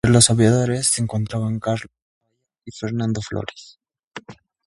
Entre los aviadores se encontraban Carlos Haya y Fernando Flores.